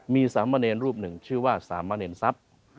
มีสามเณรรูปหนึ่งชื่อว่าสามะเนรทรัพย์